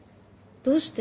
どうして？